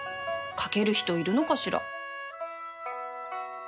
書ける人いるのかしら